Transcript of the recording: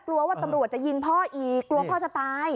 กลัวว่าตำรวจจะยิงพ่ออีกกลัวพ่อจะตาย